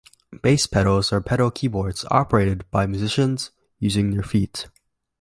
Bass pedals are pedal keyboards operated by musicians using their feet.